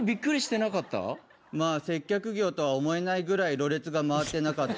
まあ、接客業とは思えないぐらいろれつが回ってなかった。